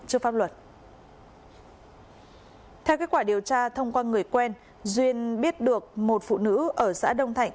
theo kết quả điều tra thông qua người quen duyên biết được một phụ nữ ở xã đông thạnh